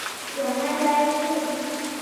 ځوانان باید څه وکړي؟